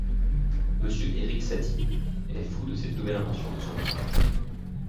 Monsieur Érik Satie est fou de cette nouvelle invention de son esprit.